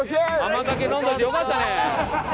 甘酒飲んどいてよかったね。